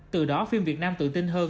từ đó phim việt nam tự tin hơn